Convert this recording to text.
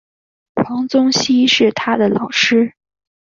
黄宗羲是他的老师。